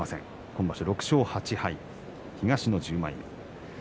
今場所６勝８敗東の１０枚目。